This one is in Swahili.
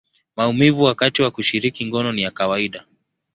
maumivu wakati wa kushiriki ngono ni ya kawaida.